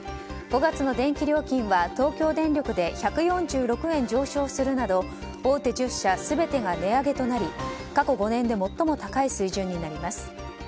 ５月の電気料金は東京電力で１４６円上昇するなど大手１０社全てが値上げとなり過去５年で最も高い水準になります。